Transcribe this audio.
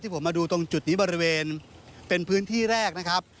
ผมมาดูตรงจุดนี้บริเวณเป็นพื้นที่แรกนะครับ